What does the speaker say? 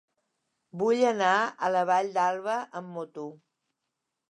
Vull anar a la Vall d'Alba amb moto.